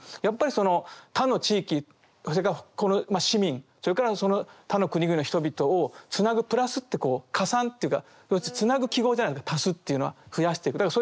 やっぱりその他の地域それからこの市民それからその他の国々の人々をつなぐ「プラス」ってこう加算というかつなぐ記号じゃないですか足すっていうのは増やしていく。